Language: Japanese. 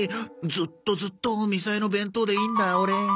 ずっとずっとみさえの弁当でいいんだオレ。